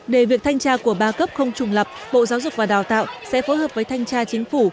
để việc thanh tra của ba cấp không trùng lập bộ giáo dục và đào tạo sẽ phối hợp với thanh tra chính phủ